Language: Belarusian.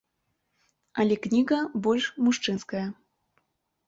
Але кніга больш мужчынская.